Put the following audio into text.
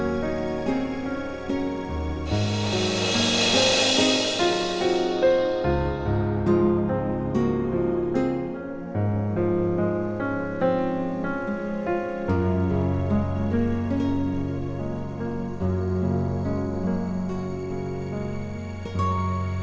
aku akan mencari temanmu